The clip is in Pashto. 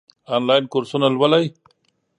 آنلاین کورسونه لولئ؟